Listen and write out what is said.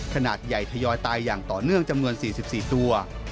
ขนาดใหญ่ทยอยตายอย่างต่อเนื่องจำนวน๔๔ตัว